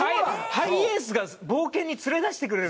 ハイエースが冒険に連れ出してくれる。